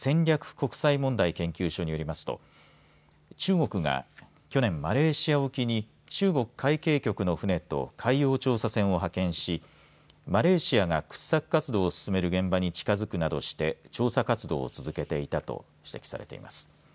国際問題研究所によりますと中国が去年マレーシア沖に中国海警局の船と海洋調査船を派遣しマレーシアが掘削活動を進める現場に近づくなどして調査活動を続けていたと指摘されています。